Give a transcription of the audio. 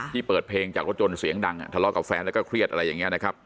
เปิดเพลงจากรถยนต์เสียงดังทะเลาะกับแฟนแล้วก็เครียดอะไรอย่างนี้นะครับ